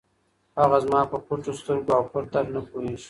هغه زما په پټو سترګو او پټ درد نه پوهېږي.